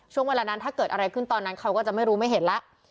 ช่วงเวลานั้นถ้าเกิดอะไรขึ้นตอนนั้นเขาก็จะไม่รู้ไม่เห็นแล้ว